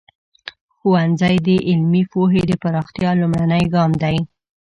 ښوونځی د علمي پوهې د پراختیا لومړنی ګام دی.